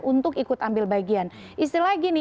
untuk ikut ambil bagian istilah gini